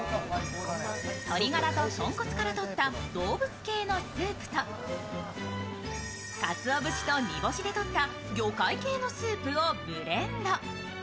鶏ガラと豚骨からとった動物系のスープとかつお節と煮干しで取った魚介系のスープをブレンド。